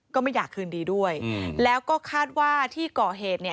ก็ไม่อยากคืนดีด้วยแล้วก็คาดว่าที่ก่อเหตุเนี่ย